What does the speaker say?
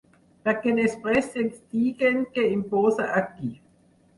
Perquè després ens diguen qui imposa a qui.